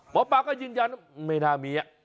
หมอปลาก็ยืนยันไม่น่ามี